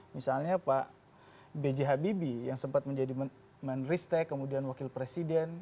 misalnya pak b j habibie yang sempat menjadi menristek kemudian wakil presiden